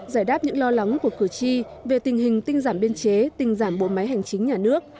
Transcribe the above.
giải đáp những lo lắng của cử tri về tình hình tinh giảm biên chế tinh giảm bộ máy hành chính nhà nước